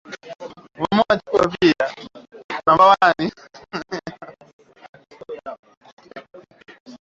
Dalili za kukosa utulivu zinaweza kushuhudiwa ugonjwa huu ukifikia hatua hatari zaidi